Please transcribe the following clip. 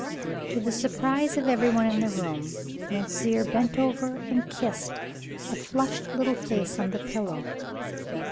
To the surprise of every one in the room, monsieur bent over and kissed the flushed little face on the pillow.